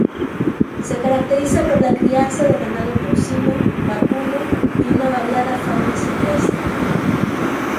Se caracteriza por la crianza de ganado porcino, vacuno y una variada fauna silvestre.